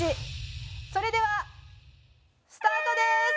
それではスタートです！